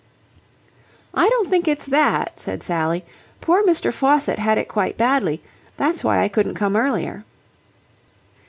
"I don't think it's that," said Sally. "Poor Mr. Faucitt had it quite badly. That's why I couldn't come earlier."